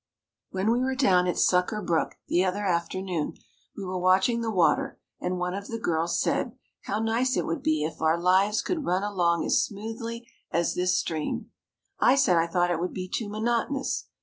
When we were down at Sucker Brook the other afternoon we were watching the water and one of the girls said, "How nice it would be if our lives could run along as smoothly as this stream." I said I thought it would be too monotonous.